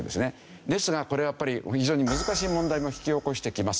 ですがこれはやっぱり非常に難しい問題も引き起こしてきます。